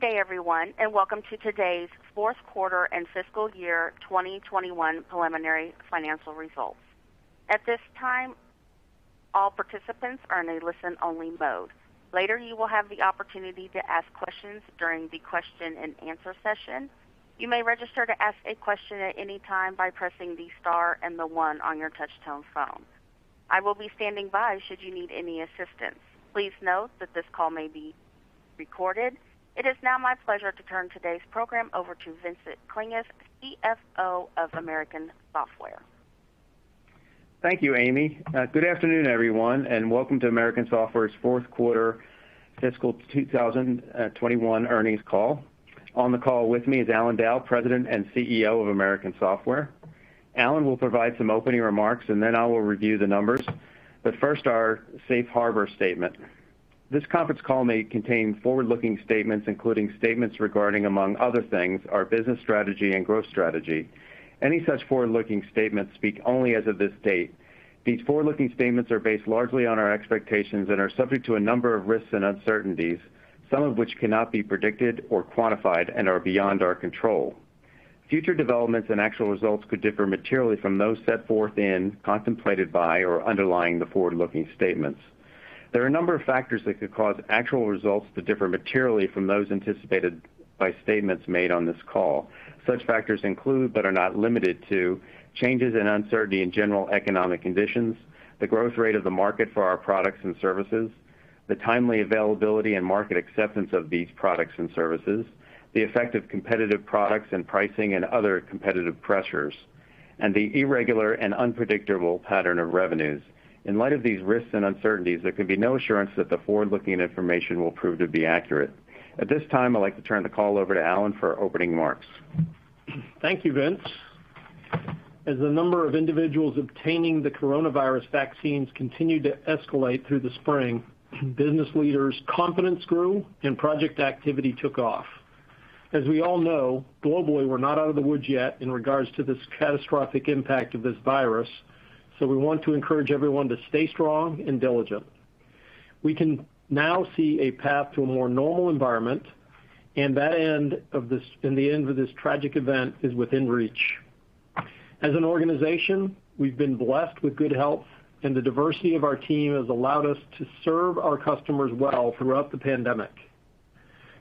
Good day, everyone, and welcome to today's fourth quarter and fiscal year 2021 preliminary financial results. At this time, all participants are in a listen-only mode. Later, you will have the opportunity to ask questions during the question and answer session. I will be standing by should you need any assistance. Please note that this call may be recorded. It is now my pleasure to turn today's program over to Vincent Klinges, CFO of American Software. Thank you, Amy. Good afternoon, everyone. Welcome to American Software's fourth quarter fiscal 2021 earnings call. On the call with me is Allan Dow, President and CEO of American Software. Allan will provide some opening remarks. Then I will review the numbers. First, our safe harbor statement. This conference call may contain forward-looking statements, including statements regarding, among other things, our business strategy and growth strategy. Any such forward-looking statements speak only as of this date. These forward-looking statements are based largely on our expectations and are subject to a number of risks and uncertainties, some of which cannot be predicted or quantified and are beyond our control. Future developments and actual results could differ materially from those set forth in, contemplated by, or underlying the forward-looking statements. There are a number of factors that could cause actual results to differ materially from those anticipated by statements made on this call. Such factors include, but are not limited to, changes in uncertainty in general economic conditions, the growth rate of the market for our products and services, the timely availability and market acceptance of these products and services, the effect of competitive products and pricing and other competitive pressures, and the irregular and unpredictable pattern of revenues. In light of these risks and uncertainties, there can be no assurance that the forward-looking information will prove to be accurate. At this time, I'd like to turn the call over to Allan for opening remarks. Thank you, Vince. As the number of individuals obtaining the coronavirus vaccines continued to escalate through the spring, business leaders' confidence grew and project activity took off. As we all know, globally, we're not out of the woods yet in regards to this catastrophic impact of this virus, so we want to encourage everyone to stay strong and diligent. We can now see a path to a more normal environment, and the end of this tragic event is within reach. As an organization, we've been blessed with good health, and the diversity of our team has allowed us to serve our customers well throughout the pandemic.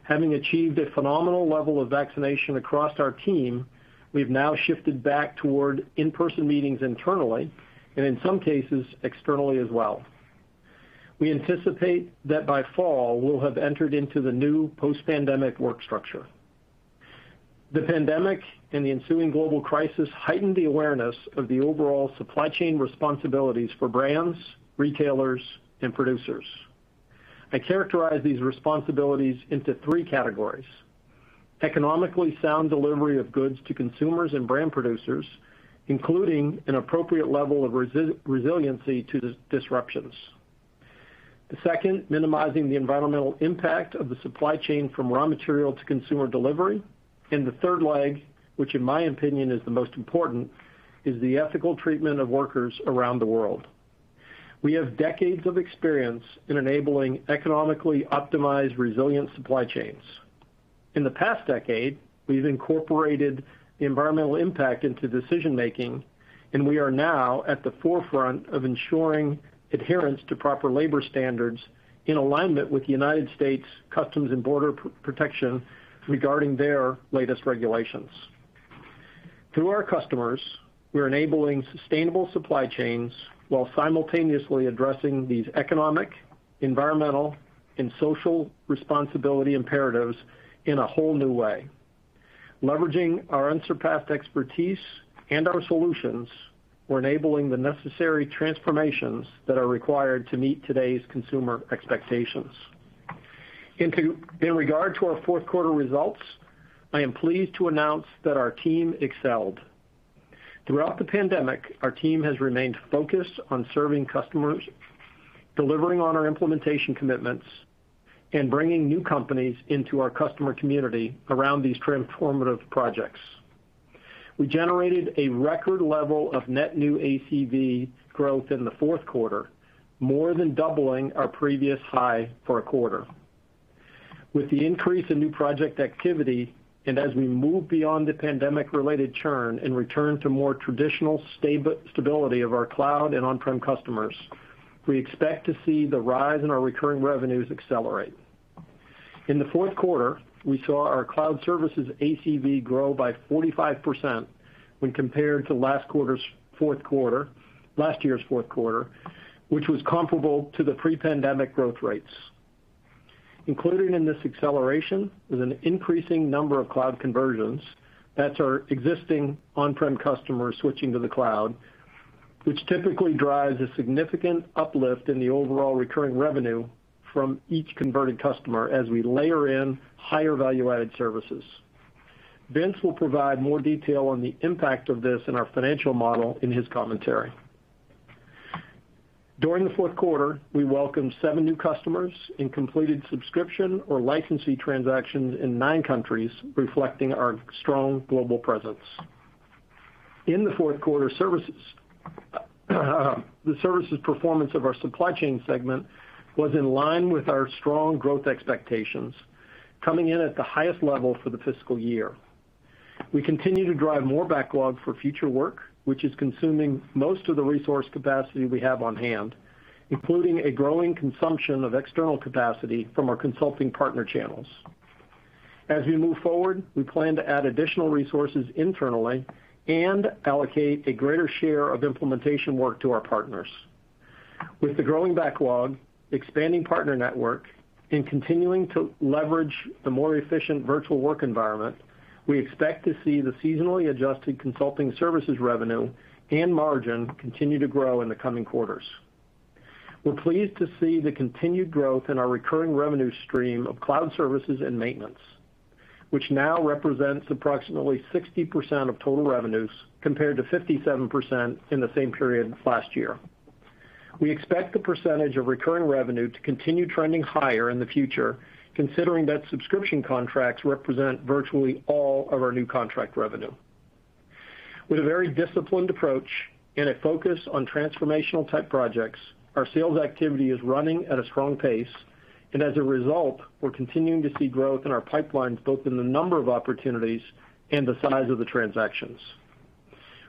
Having achieved a phenomenal level of vaccination across our team, we've now shifted back toward in-person meetings internally and, in some cases, externally as well. We anticipate that by fall, we'll have entered into the new post-pandemic work structure. The pandemic and the ensuing global crisis heightened the awareness of the overall supply chain responsibilities for brands, retailers, and producers. I characterize these responsibilities into three categories. Economically sound delivery of goods to consumers and brand producers, including an appropriate level of resiliency to disruptions. The second, minimizing the environmental impact of the supply chain from raw material to consumer delivery. The third leg, which in my opinion is the most important, is the ethical treatment of workers around the world. We have decades of experience in enabling economically optimized resilient supply chains. In the past decade, we've incorporated the environmental impact into decision-making, and we are now at the forefront of ensuring adherence to proper labor standards in alignment with the U.S. Customs and Border Protection regarding their latest regulations. Through our customers, we're enabling sustainable supply chains while simultaneously addressing these economic, environmental, and social responsibility imperatives in a whole new way. Leveraging our unsurpassed expertise and our solutions, we're enabling the necessary transformations that are required to meet today's consumer expectations. In regard to our fourth quarter results, I am pleased to announce that our team excelled. Throughout the pandemic, our team has remained focused on serving customers, delivering on our implementation commitments, and bringing new companies into our customer community around these transformative projects. We generated a record level of net new ACV growth in the fourth quarter, more than doubling our previous high for a quarter. With the increase in new project activity, and as we move beyond the pandemic-related churn and return to more traditional stability of our cloud and on-prem customers, we expect to see the rise in our recurring revenues accelerate. In the fourth quarter, we saw our cloud services ACV grow by 45% when compared to last year's fourth quarter, which was comparable to the pre-pandemic growth rates. Included in this acceleration is an increasing number of cloud conversions. That's our existing on-prem customers switching to the cloud, which typically drives a significant uplift in the overall recurring revenue from each converted customer as we layer in higher value-added services. Vince will provide more detail on the impact of this in our financial model in his commentary. During the fourth quarter, we welcomed seven new customers and completed subscription or licensing transactions in nine countries, reflecting our strong global presence. In the fourth quarter services, the services performance of our supply chain segment was in line with our strong growth expectations, coming in at the highest level for the fiscal year. We continue to drive more backlog for future work, which is consuming most of the resource capacity we have on hand, including a growing consumption of external capacity from our consulting partner channels. As we move forward, we plan to add additional resources internally and allocate a greater share of implementation work to our partners. With the growing backlog, expanding partner network, and continuing to leverage a more efficient virtual work environment, we expect to see the seasonally adjusted consulting services revenue and margin continue to grow in the coming quarters. We're pleased to see the continued growth in our recurring revenue stream of cloud services and maintenance, which now represents approximately 60% of total revenues compared to 57% in the same period last year. We expect the percentage of recurring revenue to continue trending higher in the future, considering that subscription contracts represent virtually all of our new contract revenue. With a very disciplined approach and a focus on transformational type projects, our sales activity is running at a strong pace, and as a result, we're continuing to see growth in our pipeline, both in the number of opportunities and the size of the transactions.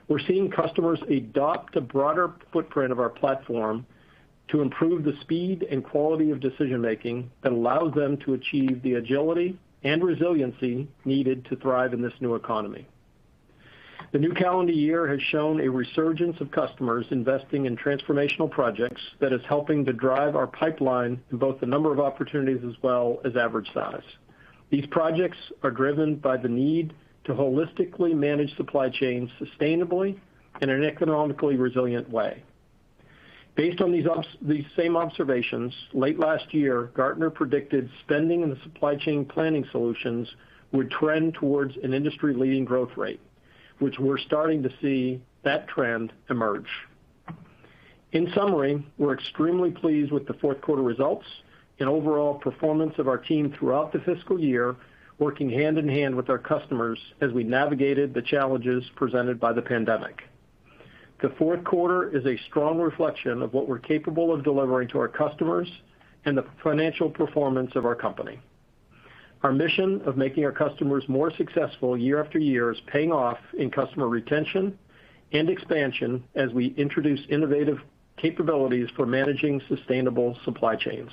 We're seeing customers adopt the broader footprint of our platform to improve the speed and quality of decision-making that allows them to achieve the agility and resiliency needed to thrive in this new economy. The new calendar year has shown a resurgence of customers investing in transformational projects that is helping to drive our pipeline in both the number of opportunities as well as average size. These projects are driven by the need to holistically manage supply chains sustainably in an economically resilient way. Based on these same observations, late last year, Gartner predicted spending in the supply chain planning solutions would trend towards an industry-leading growth rate, which we're starting to see that trend emerge. In summary, we're extremely pleased with the fourth quarter results and overall performance of our team throughout the fiscal year, working hand-in-hand with our customers as we navigated the challenges presented by the pandemic. The fourth quarter is a strong reflection of what we're capable of delivering to our customers and the financial performance of our company. Our mission of making our customers more successful year after year is paying off in customer retention and expansion as we introduce innovative capabilities for managing sustainable supply chains.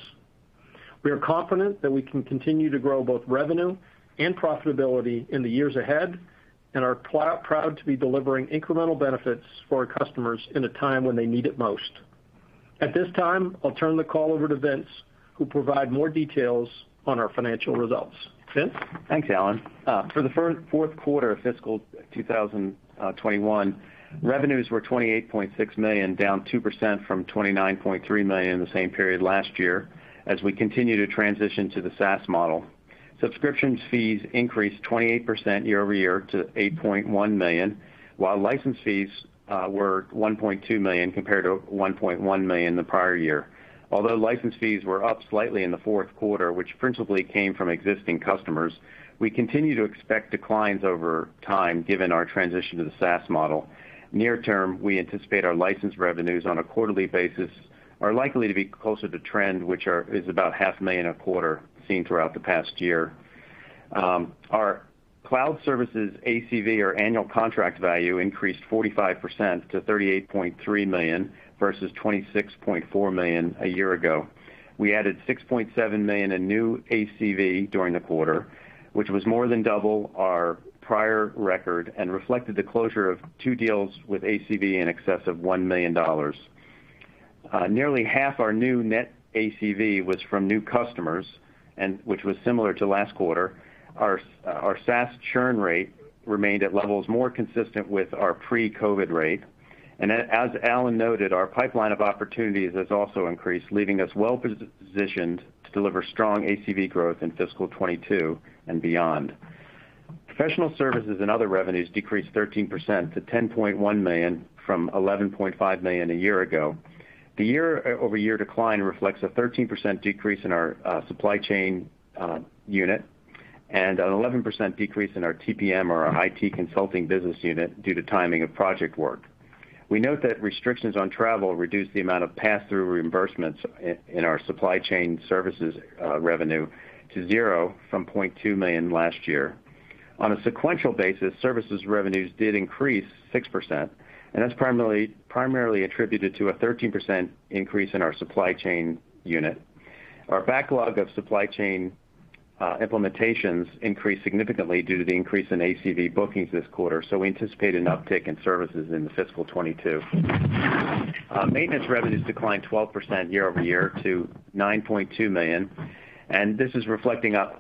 We are confident that we can continue to grow both revenue and profitability in the years ahead and are proud to be delivering incremental benefits for our customers in a time when they need it most. At this time, I'll turn the call over to Vince, who'll provide more details on our financial results. Vince? Thanks, Allan. For the fourth quarter of fiscal 2021, revenues were $28.6 million, down 2% from $29.3 million in the same period last year, as we continue to transition to the SaaS model. Subscription fees increased 28% year-over-year to $8.1 million, while license fees were $1.2 million compared to $1.1 million the prior year. Although license fees were up slightly in the fourth quarter, which principally came from existing customers, we continue to expect declines over time given our transition to the SaaS model. Near term, we anticipate our license revenues on a quarterly basis are likely to be closer to trend, which is about half a million a quarter seen throughout the past year. Our cloud services ACV, or annual contract value, increased 45% to $38.3 million versus $26.4 million a year ago. We added $6.7 million in new ACV during the quarter, which was more than double our prior record and reflected the closure of two deals with ACV in excess of $1 million. Nearly half our new net ACV was from new customers, which was similar to last quarter. Our SaaS churn rate remained at levels more consistent with our pre-COVID rate. As Allan noted, our pipeline of opportunities has also increased, leaving us well-positioned to deliver strong ACV growth in fiscal 2022 and beyond. Professional services and other revenues decreased 13% to $10.1 million from $11.5 million a year ago. The year-over-year decline reflects a 13% decrease in our supply chain unit and an 11% decrease in our TPM, our IT consulting business unit, due to timing of project work. We note that restrictions on travel reduced the amount of pass-through reimbursements in our supply chain services revenue to zero from $0.2 million last year. That's primarily attributed to a 13% increase in our supply chain unit. We anticipate an uptick in services in fiscal 2022. This is reflecting a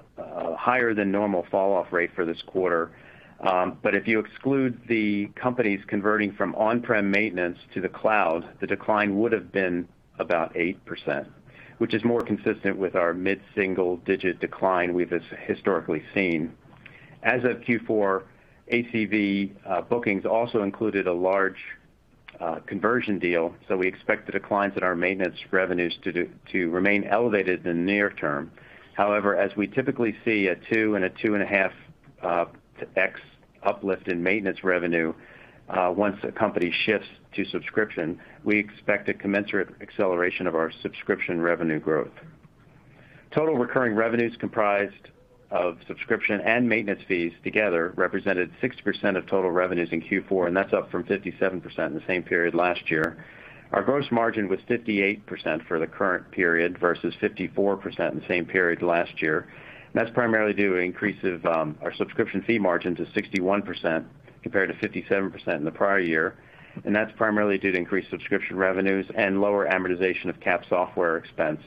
higher than normal falloff rate for this quarter. If you exclude the companies converting from on-prem maintenance to the cloud, the decline would've been about 8%, which is more consistent with our mid-single-digit decline we've historically seen. As of Q4, ACV bookings also included a large conversion deal. We expect the declines in our maintenance revenues to remain elevated in the near term. However, as we typically see a 2.5x uplift in maintenance revenue once a company shifts to subscription, we expect a commensurate acceleration of our subscription revenue growth. Total recurring revenues comprised of subscription and maintenance fees together represented 60% of total revenues in Q4, and that's up from 57% in the same period last year. Our gross margin was 58% for the current period versus 54% in the same period last year. That's primarily due to increases of our subscription fee margin to 61% compared to 57% in the prior year, and that's primarily due to increased subscription revenues and lower amortization of capped software expense.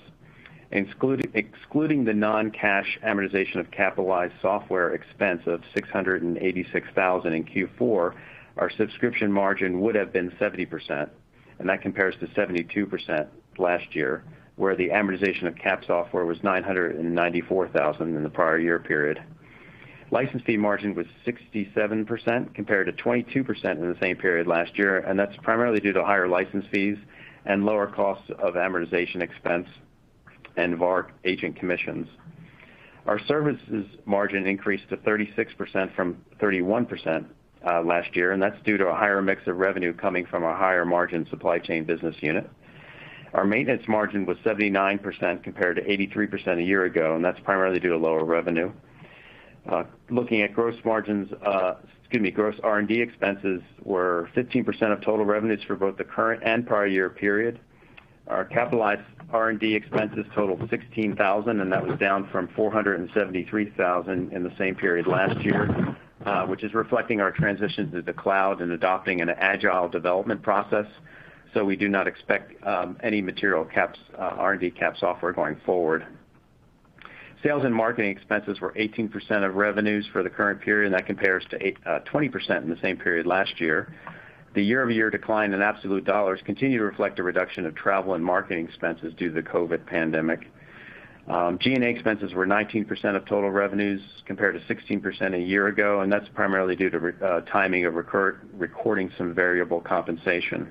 Excluding the non-cash amortization of capitalized software expense of $686,000 in Q4, our subscription margin would have been 70%, and that compares to 72% last year, where the amortization of capitalized software was $994,000 in the prior year period. License fee margin was 67% compared to 22% in the same period last year, and that's primarily due to higher license fees and lower cost of amortization expense and of our agent commissions. Our services margin increased to 36% from 31% last year, and that's due to a higher mix of revenue coming from our higher margin supply chain business unit. Our maintenance margin was 79% compared to 83% a year ago, and that's primarily due to lower revenue. Looking at gross R&D expenses were 15% of total revenues for both the current and prior year period. Our capitalized R&D expenses totaled $16,000. That was down from $473,000 in the same period last year, which is reflecting our transitions to the cloud and adopting an agile development process. We do not expect any material R&D capped software going forward. Sales and marketing expenses were 18% of revenues for the current period. That compares to 20% in the same period last year. The year-over-year decline in absolute dollars continue to reflect a reduction of travel and marketing expenses due to the COVID pandemic. G&A expenses were 19% of total revenues compared to 16% a year ago. That's primarily due to timing of recording some variable compensation.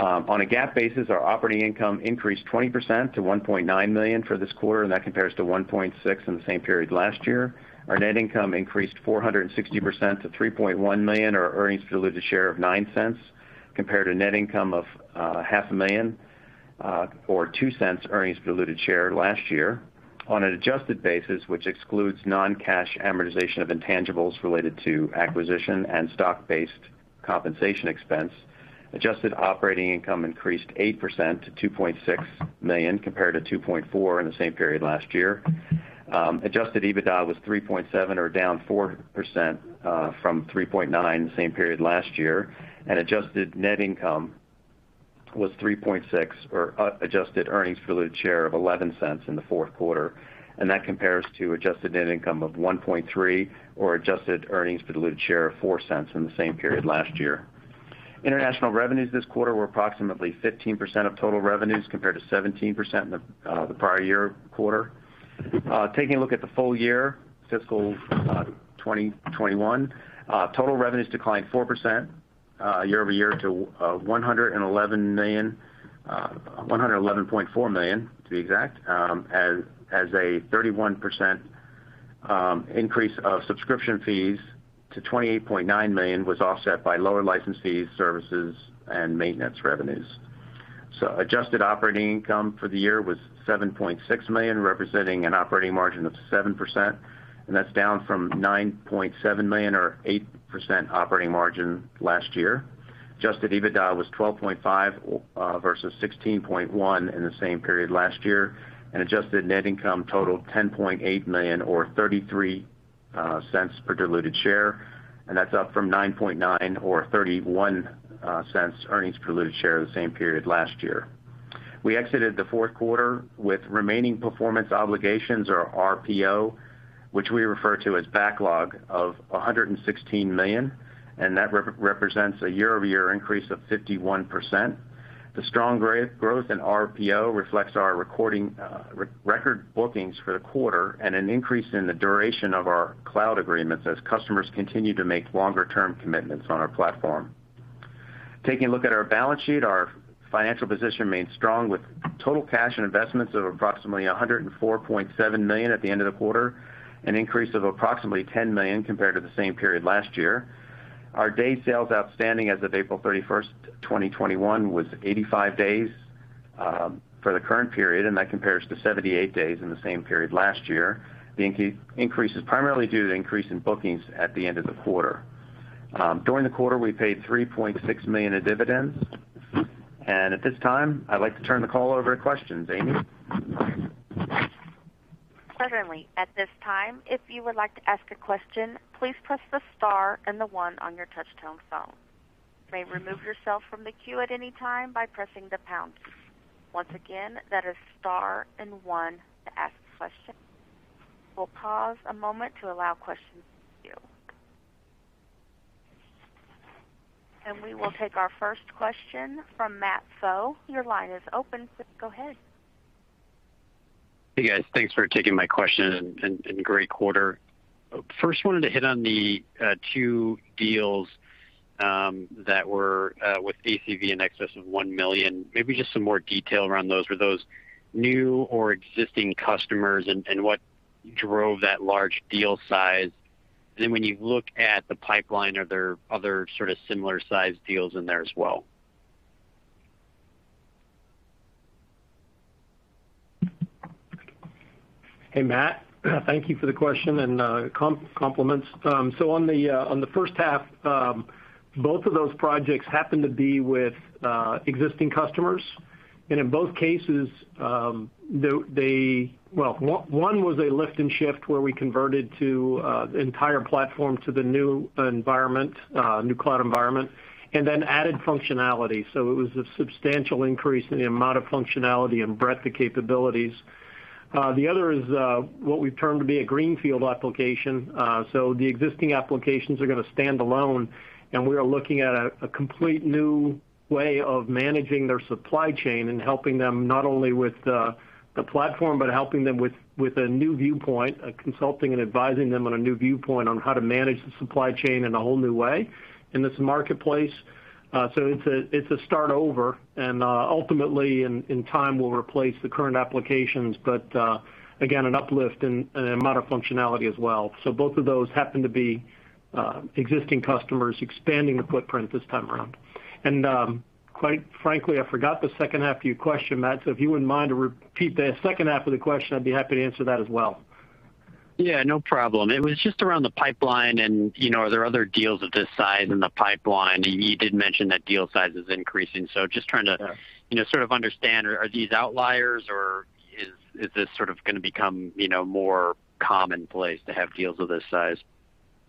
On a GAAP basis, our operating income increased 20% to $1.9 million for this quarter. That compares to $1.6 million in the same period last year. Our net income increased 460% to $3.1 million, or earnings per diluted share of $0.09, compared to net income of half a million, or $0.02 earnings per diluted share last year. On an adjusted basis, which excludes non-cash amortization of intangibles related to acquisition and stock-based compensation expense, adjusted operating income increased 8% to $2.6 million compared to $2.4 million in the same period last year. Adjusted EBITDA was $3.7 million or down 4% from $3.9 million in the same period last year. Adjusted net income was $3.6 million or adjusted earnings per diluted share of $0.11 in the fourth quarter. That compares to adjusted net income of $1.3 million or adjusted earnings per diluted share of $0.04 in the same period last year. International revenues this quarter were approximately 15% of total revenues compared to 17% in the prior year quarter. Taking a look at the full year fiscal 2021, total revenues declined 4% year-over-year to $111.4 million, to be exact, as a 31% increase of subscription fees to $28.9 million was offset by lower license fees, services, and maintenance revenues. Adjusted operating income for the year was $7.6 million, representing an operating margin of 7%, and that's down from $9.7 million or 8% operating margin last year. Adjusted EBITDA was $12.5 versus $16.1 in the same period last year, and adjusted net income totaled $10.8 million or $0.33 per diluted share, and that's up from $9.9 or $0.31 earnings per diluted share the same period last year. We exited the fourth quarter with remaining performance obligations or RPO, which we refer to as backlog of $116 million, and that represents a year-over-year increase of 51%. The strong growth in RPO reflects our record bookings for the quarter and an increase in the duration of our cloud agreements as customers continue to make longer-term commitments on our platform. Taking a look at our balance sheet, our financial position remains strong with total cash investments of approximately $104.7 million at the end of the quarter, an increase of approximately $10 million compared to the same period last year. Our DSO as of April 30, 2021, was 85 days for the current period. That compares to 78 days in the same period last year. The increase is primarily due to increase in bookings at the end of the quarter. During the quarter, we paid $3.6 million in dividends. At this time, I'd like to turn the call over to questions. Amy? Certainly. At this time, if you would like to ask a question, please press the star and the one on your touchtone phone. You may remove yourself from the queue at any time by pressing the pound key. Once again, that is star and one to ask a question. We'll pause a moment to allow questions to queue. We will take our first question from Matthew Pfau. Your line is open. Please go ahead. Hey, guys. Thanks for taking my question, and great quarter. First, wanted to hit on the two deals that were with ACV in excess of $1 million. Maybe just some more detail around those. Are those new or existing customers, and what drove that large deal size? When you look at the pipeline, are there other sort of similar size deals in there as well? Hey, Matt. Thank you for the question and compliments. On the first half, both of those projects happened to be with existing customers. In both cases, well, one was a lift and shift where we converted to the entire platform to the new environment, new cloud environment, and then added functionality. It was a substantial increase in the amount of functionality and breadth of capabilities. The other is what we term to be a greenfield application. The existing applications are going to standalone, and we are looking at a complete new way of managing their supply chain and helping them not only with the platform, but helping them with a new viewpoint, consulting and advising them on a new viewpoint on how to manage the supply chain in a whole new way in this marketplace. It's a start over, and ultimately, in time, we'll replace the current applications. Again, an uplift in amount of functionality as well. Both of those happen to be existing customers expanding their footprint this time around. Quite frankly, I forgot the second half of your question, Matt. If you wouldn't mind to repeat the second half of the question, I'd be happy to answer that as well. Yeah, no problem. It was just around the pipeline and are there other deals of this size in the pipeline? You did mention that deal size is increasing, so just trying to sort of understand, are these outliers, or is this sort of going to become more commonplace to have deals of this size?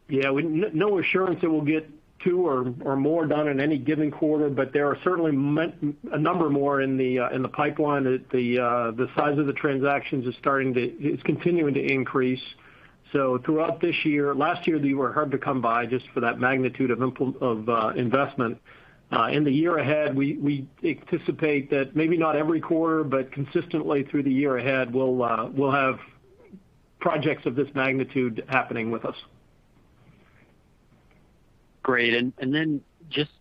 Yeah. No assurance that we'll get two or more done in any given quarter, but there are certainly a number more in the pipeline. The size of the transactions is continuing to increase. Throughout this year. Last year, they were hard to come by just for that magnitude of investment. In the year ahead, we anticipate that maybe not every quarter, but consistently through the year ahead, we'll have projects of this magnitude happening with us. Great. Just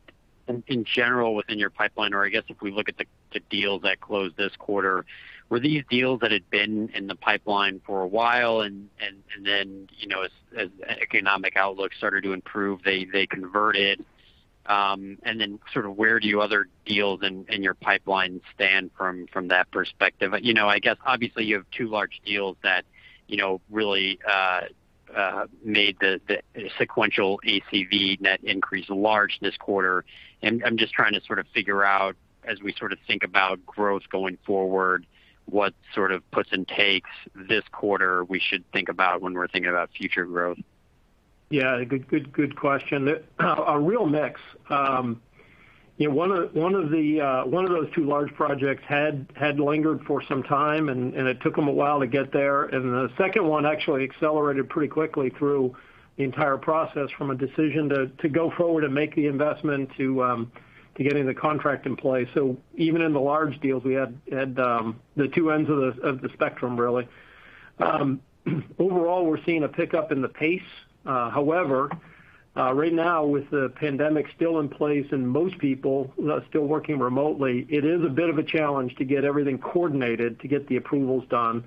in general within your pipeline, or I guess if we look at the deals that closed this quarter, were these deals that had been in the pipeline for a while, as the economic outlook started to improve, they converted? Sort of where do other deals in your pipeline stand from that perspective? I guess obviously, you have two large deals that really made the sequential ACV net increase large this quarter. I'm just trying to sort of figure out, as we sort of think about growth going forward, what sort of puts and takes this quarter we should think about when we're thinking about future growth. Good question. A real mix. One of those two large projects had lingered for some time, and it took them a while to get there. The second one actually accelerated pretty quickly through the entire process, from a decision to go forward and make the investment to getting the contract in place. Even in the large deals, we had the two ends of the spectrum, really. Overall, we're seeing a pickup in the pace. However, right now, with the pandemic still in place and most people still working remotely, it is a bit of a challenge to get everything coordinated to get the approvals done.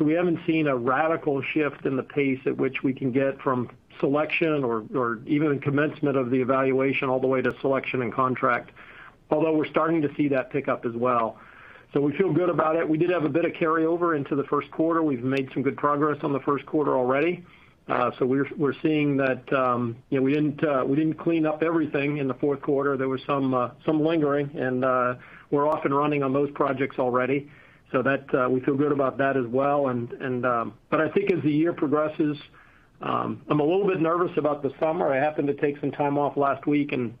We haven't seen a radical shift in the pace at which we can get from selection or even commencement of the evaluation all the way to selection and contract. We're starting to see that pick up as well. We feel good about it. We did have a bit of carryover into the first quarter. We've made some good progress on the first quarter already. We're seeing that we didn't clean up everything in the fourth quarter. There was some lingering, and we're off and running on those projects already. We feel good about that as well. I think as the year progresses, I'm a little bit nervous about the summer. I happened to take some time off last week, and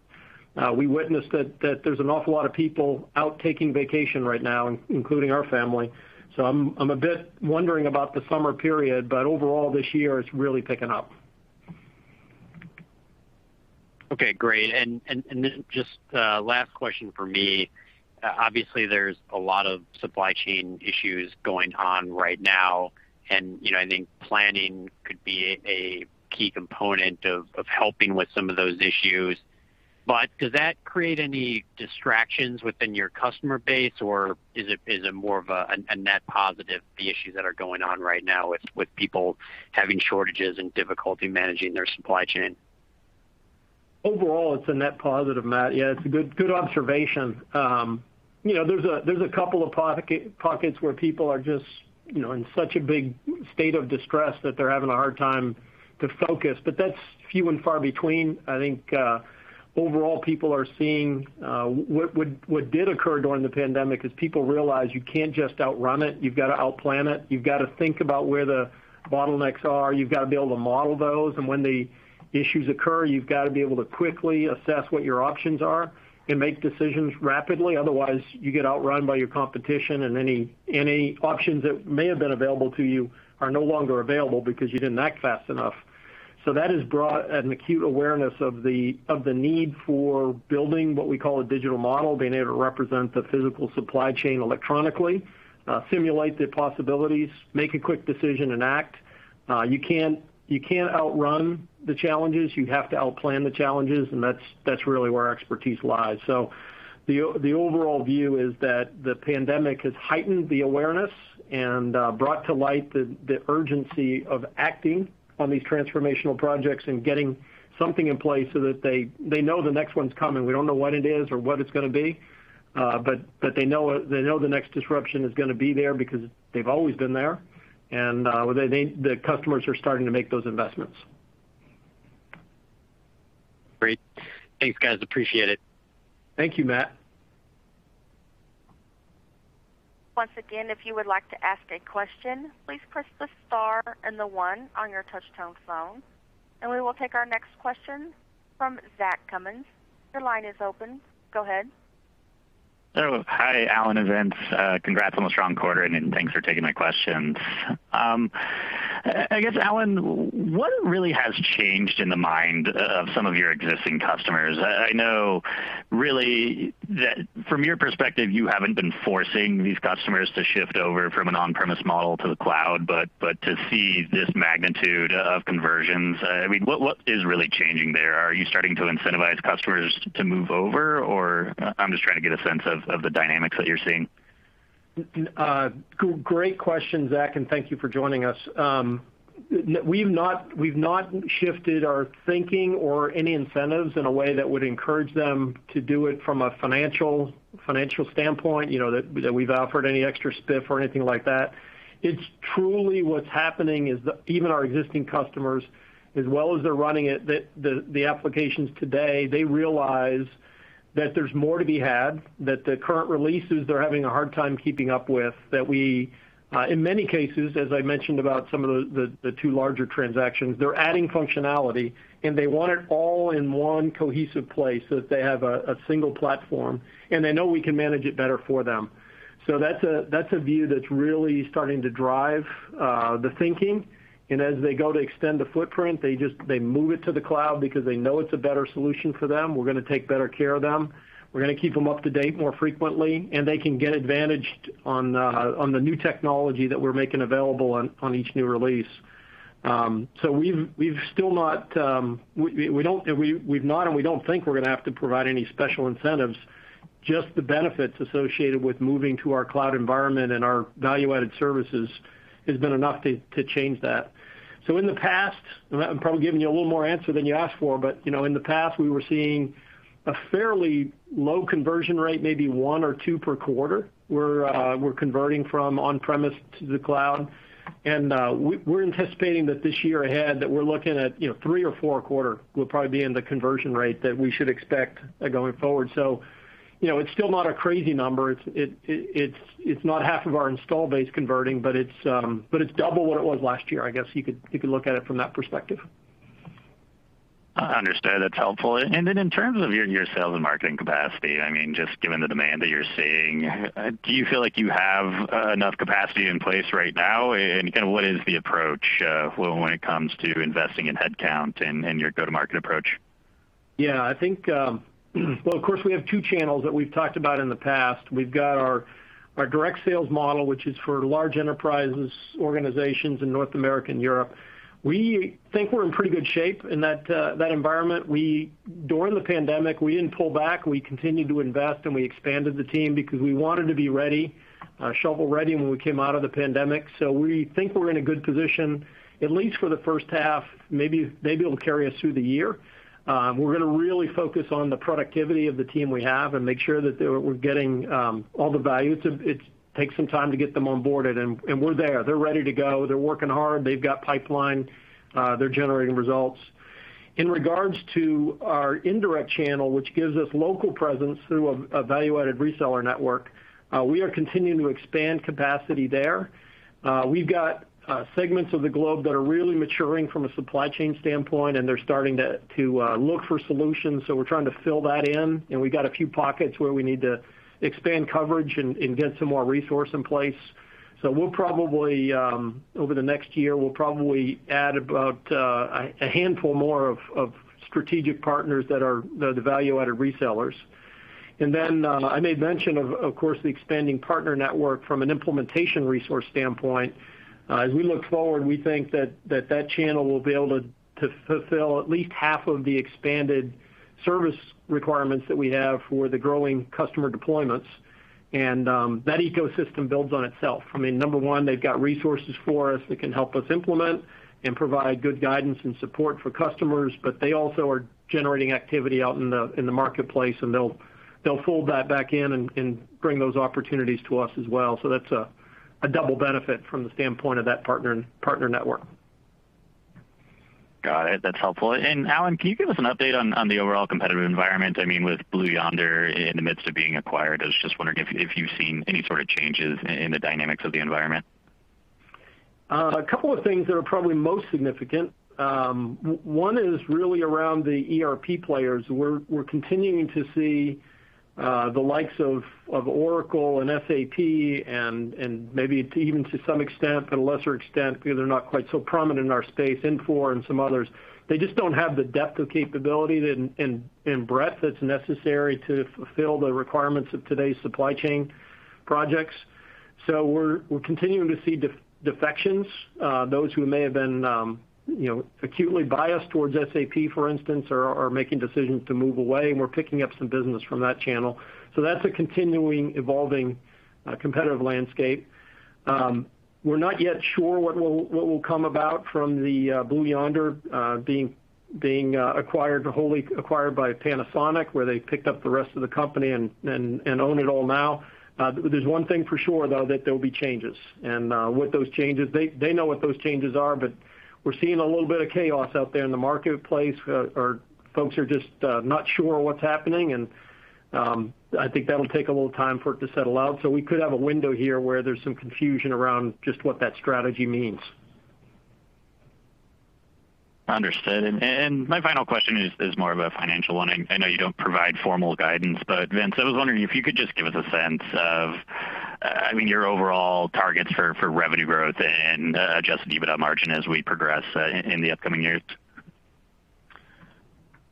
we witnessed that there's an awful lot of people out taking vacation right now, including our family. I'm a bit wondering about the summer period. Overall, this year, it's really picking up. Okay, great. Just last question from me. Obviously, there's a lot of supply chain issues going on right now, and I think planning could be a key component of helping with some of those issues. Does that create any distractions within your customer base, or is it more of a net positive, the issues that are going on right now with people having shortages and difficulty managing their supply chain? Overall, it's a net positive, Matt. Yeah, it's a good observation. There's a couple of pockets where people are just in such a big state of distress that they're having a hard time to focus. That's few and far between. I think overall, people are seeing what did occur during the pandemic, is people realize you can't just outrun it, you've got to outplan it. You've got to think about where the bottlenecks are. You've got to be able to model those. When the issues occur, you've got to be able to quickly assess what your options are and make decisions rapidly. Otherwise, you get outrun by your competition, and any options that may have been available to you are no longer available because you didn't act fast enough. That has brought an acute awareness of the need for building what we call a digital model, being able to represent the physical supply chain electronically, simulate the possibilities, make a quick decision, and act. You can't outrun the challenges. You have to outplan the challenges, and that's really where our expertise lies. The overall view is that the pandemic has heightened the awareness and brought to light the urgency of acting on these transformational projects and getting something in place so that they know the next one's coming. We don't know when it is or what it's going to be, but they know the next disruption is going to be there because they've always been there. The customers are starting to make those investments. Great. Thanks, guys, appreciate it. Thank you, Matt. Once again, if you would like to ask a question, please press the star and the one on your touchtone phone. We will take our next question from Zach Cummins. Your line is open. Go ahead. Oh, Hi, Allan and Vince. Congrats on a strong quarter, and thanks for taking my questions. I guess, Allan, what really has changed in the mind of some of your existing customers? I know really that from your perspective, you haven't been forcing these customers to shift over from an on-premise model to the cloud, but to see this magnitude of conversions, what is really changing there? Are you starting to incentivize customers to move over? I'm just trying to get a sense of the dynamics that you're seeing. Great question, Zach, and thank you for joining us. We've not shifted our thinking or any incentives in a way that would encourage them to do it from a financial standpoint, that we've offered any extra spiff or anything like that. It's truly what's happening is even our existing customers, as well as they're running the applications today, they realize that there's more to be had, that the current releases they're having a hard time keeping up with, that we, in many cases, as I mentioned about some of the two larger transactions, they're adding functionality, and they want it all in one cohesive place, so they have a single platform, and they know we can manage it better for them. That's a view that's really starting to drive the thinking. As they go to extend the footprint, they move it to the cloud because they know it's a better solution for them. We're going to take better care of them. We're going to keep them up to date more frequently, and they can get advantaged on the new technology that we're making available on each new release. We've not, and we don't think we're going to have to provide any special incentives. Just the benefits associated with moving to our cloud environment and our value-added services has been enough to change that. In the past, I'm probably giving you a little more answer than you asked for, but in the past, we were seeing a fairly low conversion rate, maybe one or two per quarter. We're converting from on-premise to the cloud. We're anticipating that this year ahead, that we're looking at three or four a quarter will probably be in the conversion rate that we should expect going forward. It's still not a crazy number. It's not half of our install base converting, but it's double what it was last year, I guess you could look at it from that perspective. Understood. That's helpful. In terms of your sales and marketing capacity, just given the demand that you're seeing, do you feel like you have enough capacity in place right now? What is the approach when it comes to investing in headcount and your go-to-market approach? Yeah, I think, well, of course, we have two channels that we've talked about in the past. We've got our direct sales model, which is for large enterprises, organizations in North America and Europe. We think we're in pretty good shape in that environment. During the pandemic, we didn't pull back. We continued to invest, and we expanded the team because we wanted to be ready, shovel-ready, when we came out of the pandemic. We think we're in a good position, at least for the first half, maybe it'll carry us through the year. We're going to really focus on the productivity of the team we have and make sure that we're getting all the value. It takes some time to get them onboarded, and we're there. They're ready to go. They're working hard. They've got pipeline. They're generating results. In regards to our indirect channel, which gives us local presence through a value-added reseller network, we are continuing to expand capacity there. We've got segments of the globe that are really maturing from a supply chain standpoint, and they're starting to look for solutions. We're trying to fill that in, and we've got a few pockets where we need to expand coverage and get some more resource in place. We'll probably, over the next year, we'll probably add about a handful more of strategic partners that are the value-added resellers. Then I made mention, of course, the expanding partner network from an implementation resource standpoint. As we look forward, we think that that channel will be able to fulfill at least half of the expanded service requirements that we have for the growing customer deployments. That ecosystem builds on itself. I mean, number one, they've got resources for us that can help us implement and provide good guidance and support for customers, but they also are generating activity out in the marketplace, and they'll fold that back in and bring those opportunities to us as well. That's a double benefit from the standpoint of that partner network. Got it. That's helpful. Allan, can you give us an update on the overall competitive environment? With Blue Yonder in the midst of being acquired, I was just wondering if you've seen any sort of changes in the dynamics of the environment. A couple of things that are probably most significant. One is really around the ERP players. We're continuing to see the likes of Oracle and SAP, and maybe it's even to some extent, but a lesser extent, because they're not quite so prominent in our space, Infor and some others. They just don't have the depth of capability and breadth that's necessary to fulfill the requirements of today's supply chain projects. We're continuing to see defections. Those who may have been acutely biased towards SAP, for instance, are making decisions to move away, and we're picking up some business from that channel. That's a continuing, evolving competitive landscape. We're not yet sure what will come about from the Blue Yonder being wholly acquired by Panasonic, where they picked up the rest of the company and own it all now. There's one thing for sure, though, that there'll be changes. With those changes, they know what those changes are, but we're seeing a little bit of chaos out there in the marketplace, or folks are just not sure what's happening, and I think that'll take a little time for it to settle out. We could have a window here where there's some confusion around just what that strategy means. Understood. My final question is more of a financial one. I know you don't provide formal guidance, but Vince, I was wondering if you could just give us a sense of your overall targets for revenue growth and adjusted EBITDA margin as we progress in the upcoming years.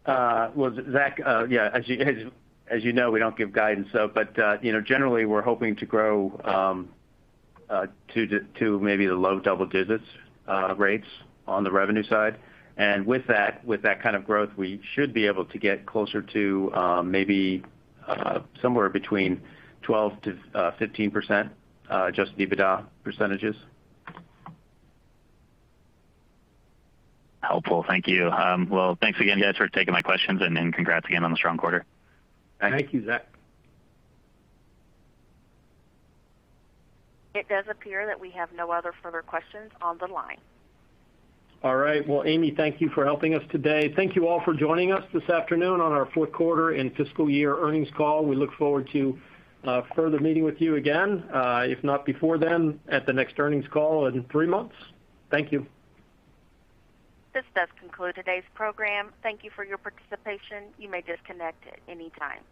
Well, Zach, yeah, as you know, we don't give guidance. Generally, we're hoping to grow to maybe the low double digits rates on the revenue side. With that kind of growth, we should be able to get closer to maybe somewhere between 12%-15% adjusted EBITDA percentages. Helpful. Thank you. Well, thanks again, gents, for taking my questions, and congrats again on the strong quarter. Thank you, Zach. It does appear that we have no other further questions on the line. All right. Well, Amy, thank you for helping us today. Thank you all for joining us this afternoon on our fourth quarter and fiscal year earnings call. We look forward to further meeting with you again, if not before then, at the next earnings call in three months. Thank you. This does conclude today's program. Thank You for your participation. You may disconnect at any time.